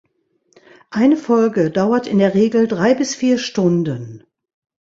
Eine Folge dauert in der Regel drei bis vier Stunden.